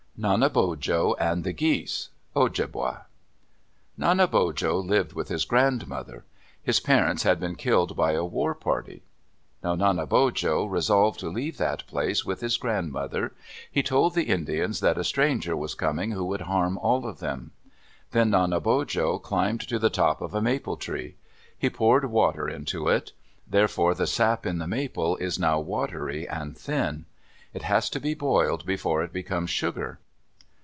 NANEBOJO AND THE GEESE Ojibwa Nanebojo lived with his grandmother. His parents had been killed by a war party. Now Nanebojo resolved to leave that place with his grandmother. He told the Indians that a stranger was coming who would harm all of them. Then Nanebojo climbed to the top of a maple tree. He poured water into it; therefore the sap in the maple is now watery and thin. It has to be boiled before it becomes sugar.